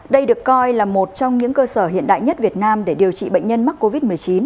đây được coi là một trong những cơ sở hiện đại nhất việt nam để điều trị bệnh nhân mắc covid một mươi chín